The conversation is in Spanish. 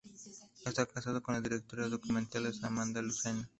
Está casado con la directora de documentales Amanda Lucena.